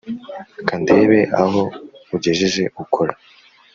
Kandebe aho ugejeje ukora